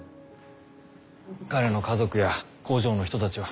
彼の家族や工場の人たちは。